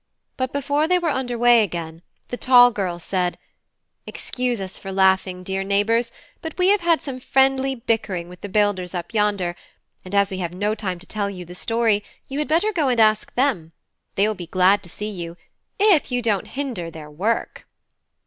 But before they were under way again, the tall girl said: "Excuse us for laughing, dear neighbours, but we have had some friendly bickering with the builders up yonder, and as we have no time to tell you the story, you had better go and ask them: they will be glad to see you if you don't hinder their work."